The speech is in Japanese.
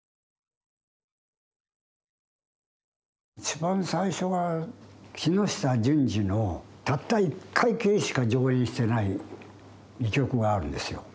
一番最初が木下順二のたった１回きりしか上演してない戯曲があるんですよ。